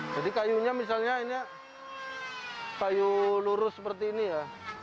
jadi kayunya misalnya ini kayu lurus seperti ini ya